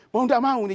mau tidak mau nih